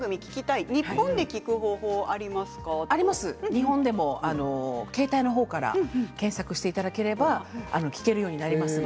日本でも携帯の方から検索していただければ聴けるようになります。